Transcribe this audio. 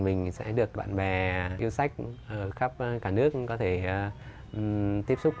mình sẽ được bạn bè yêu sách khắp cả nước có thể tiếp tục